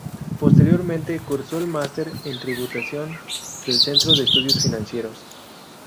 Posteriormente, cursó el máster en tributación del Centro de Estudios Financieros.